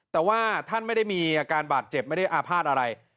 แต่ว่าท่านไม่ได้มีอาการบาดเจ็บไม่ได้อาภาษณ์อะไร